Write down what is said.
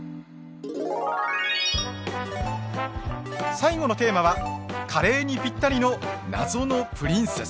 最後のテーマは「カレーにぴったりの謎のプリンセス」。